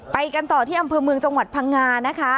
ไปกันต่อที่อำเภอเมืองจังหวัดพังงานะคะ